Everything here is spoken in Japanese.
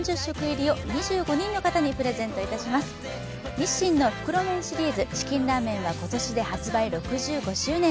日清の袋麺シリーズ「チキンラーメン」は今年で発売６５周年！